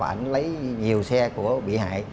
và anh lấy nhiều xe của bị hại